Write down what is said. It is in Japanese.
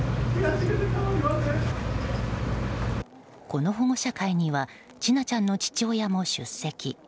この保護者会には千奈ちゃんの父親も出席。